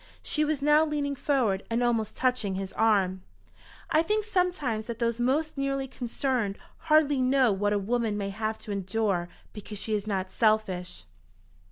She was now leaning forward and almost touching his arm. "I think sometimes that those most nearly concerned hardly know what a woman may have to endure because she is not selfish."